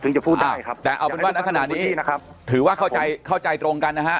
จะพูดได้แต่เอาเป็นว่าณขณะนี้นะครับถือว่าเข้าใจเข้าใจตรงกันนะฮะ